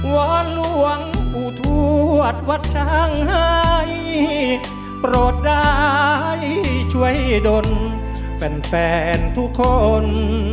ว้อนล่วงอุทวัฒน์วัดช่างให้โปรดได้ช่วยให้ดนแฟนทุกคน